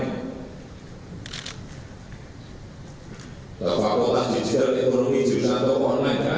atau fakultas digital ekonomi jualan toko online tidak ada